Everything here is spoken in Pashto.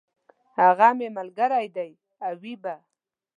هغه مي ملګری دی او وي به !